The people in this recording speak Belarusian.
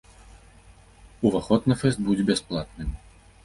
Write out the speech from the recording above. Уваход на фэст будзе бясплатным.